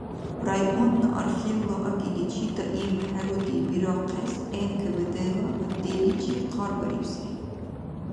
Районна архивла агиличи даим хӏеруди бирахъес НКВД-ла отделличи хъарбарибсири.